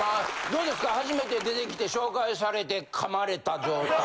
どうですか初めて出てきて紹介されてかまれた状態。